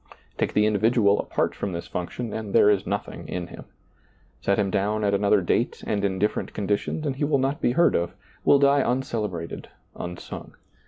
Take the individual apart from this function and there is nothing in him. Set him down at another date and in different conditions and he will not be heard of — will die uncelebrated, unsung.